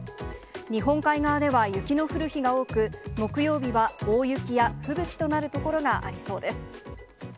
日本海側では雪の降る日が多く、木曜日は大雪や吹雪となる所がありそうです。